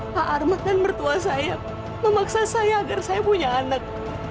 pak armad dan mertua saya memaksa saya agar saya punya anak